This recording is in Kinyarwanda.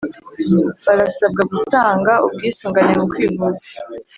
barasabwa gutannga ubwisungane mu kwivuza